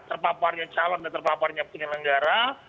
terpaparnya calon dan terpaparnya penyelenggara